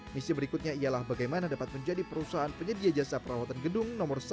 misi berikutnya ialah bagaimana dapat menjadi perusahaan penyedia jasa perawatan gedung nomor satu